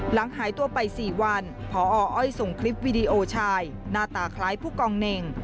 หลังหายตัวไป๔วันพออ้อยส่งคลิปวิดีโอชายหน้าตาคล้ายผู้กองเน่ง